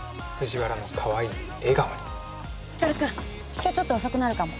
今日ちょっと遅くなるかも。